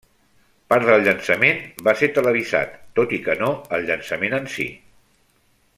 Part del llançament va ser televisat, tot i que no el llançament en si.